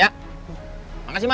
ya udah saya terima ya